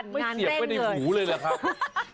เสียบไปในหูเลยละครับ